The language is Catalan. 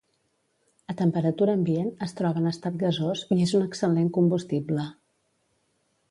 A temperatura ambient es troba en estat gasós i és un excel·lent combustible.